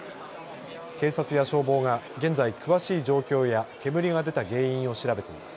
警察や消防が現在、詳しい状況や煙が出た原因を調べています。